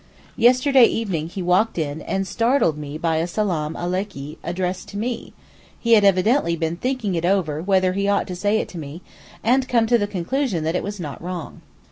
Yesterday evening he walked in and startled me by a Salaam aleykee addressed to me; he had evidently been thinking it over whether he ought to say it to me, and come to the conclusion that it was not wrong.